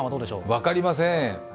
分かりません。